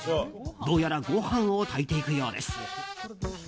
どうやらご飯を炊いていくようです。